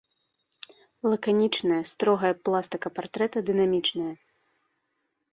Лаканічная, строгая пластыка партрэта дынамічная.